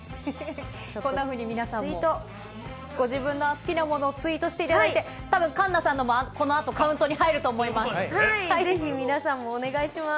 こんなふうに皆さんも、ご自分の好きなものをツイートしていただいて、たぶん、環奈さんのは、このあとカウントに入ると思います。